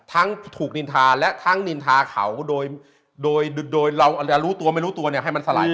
ทั้งถูกนินทาและทั้งนินทาเขาโดยโดยเราอาจจะรู้ตัวไม่รู้ตัวเนี่ยให้มันสลาย